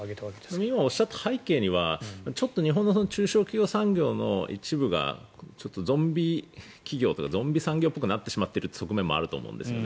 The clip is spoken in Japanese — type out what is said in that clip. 今おっしゃった背景には日本の中小企業産業がゾンビ企業というかゾンビ産業っぽくなってしまっているっていうことがあると思うんですよね。